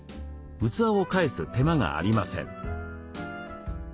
器を返す手間がありません。